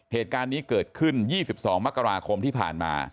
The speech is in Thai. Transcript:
เหตุการณ์นี้เกิดขึ้น๒๒มกราคมที่ผ่านมา